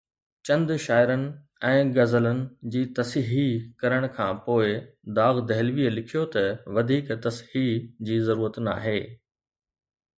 چند شعرن ۽ غزلن جي تصحيح ڪرڻ کان پوءِ داغ دهلويءَ لکيو ته وڌيڪ تصحيح جي ضرورت ناهي.